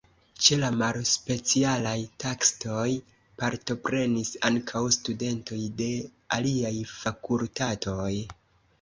Ĉe la malspecialaj taskoj partoprenis ankaŭ studentoj de aliaj fakultatoj.